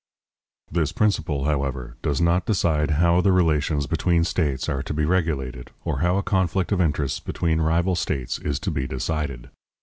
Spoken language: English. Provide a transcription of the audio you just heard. This principle, however, does not decide how the relations between states are to be regulated, or how a conflict of interests between rival states is to be decided.